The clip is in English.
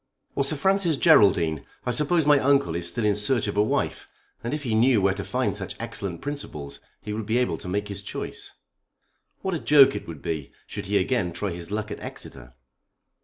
"Or Sir Francis Geraldine. I suppose my uncle is still in search of a wife, and if he knew where to find such excellent principles he would be able to make his choice. What a joke it would be should he again try his luck at Exeter?"